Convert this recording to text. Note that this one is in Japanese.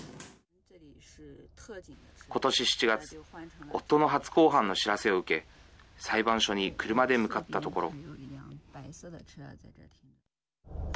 今年７月夫の初公判の知らせを受け裁判所に車で向かったところ。